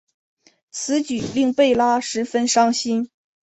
此举令贝拉十分伤心。